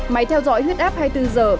máy theo dõi huyết áp hai mươi bốn h